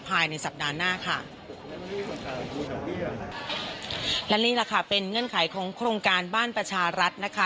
ภายในสัปดาห์หน้าค่ะและนี่แหละค่ะเป็นเงื่อนไขของโครงการบ้านประชารัฐนะคะ